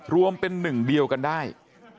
รวมเป็นหนึ่งเดียวกันได้กินพร้อมกันได้